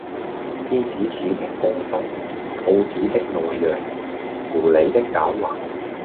獅子似的凶心，兔子的怯弱，狐狸的狡猾，……